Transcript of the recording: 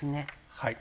はい。